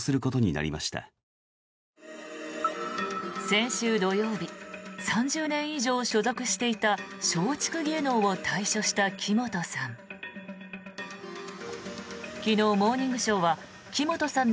先週土曜日３０年以上所属していた松竹芸能を退所した木本さん。